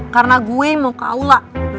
karena gue mau ke aula